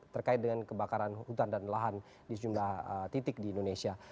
terkait dengan kebakaran hutan dan lahan di sejumlah titik di indonesia